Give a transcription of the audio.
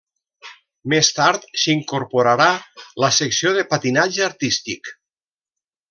Més tard s'incorporarà la secció de patinatge artístic.